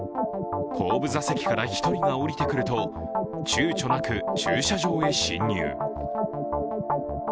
後部座席から１人が降りてくるとちゅうちょなく駐車場へ侵入。